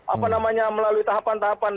apa namanya melalui tahapan tahapan